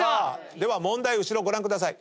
では問題後ろご覧ください。